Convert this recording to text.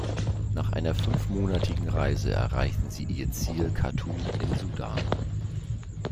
Nach einer fünfmonatigen Reise erreichten sie ihr Ziel Khartum im Sudan.